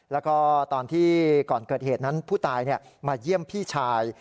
แล้วก็ตอนที่ก่อนเกิดเหตุนั้นผู้ตายมาเยี่ยมพี่ชาย